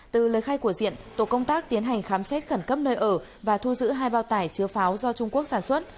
từ lời khai của diện tổ công tác tiến hành khám xét khẩn cấp nơi ở và thu giữ hai bao tải chứa pháo do trung quốc sản xuất